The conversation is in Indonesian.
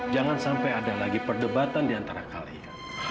jangan sampai ada lagi perdebatan di antara kalian